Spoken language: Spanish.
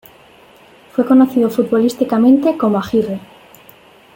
Fue conocido futbolísticamente como Agirre.